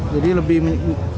jadi lebih mahal ya